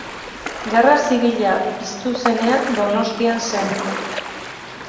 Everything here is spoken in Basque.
Gerra Zibila piztu zenean Donostian zen.